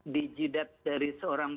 dijidat dari seorang